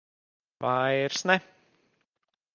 Vairs ne.